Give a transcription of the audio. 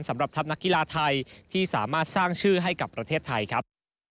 สำหรับทัพนักกีฬาไทยที่สามารถสร้างชื่อให้กับประเทศไทยครับ